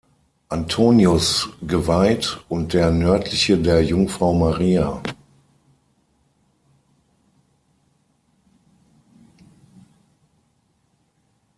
Antonius geweiht, und der nördliche der Jungfrau Maria.